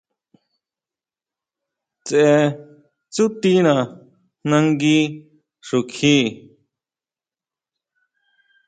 Tseʼe tsútina nangui xukjí.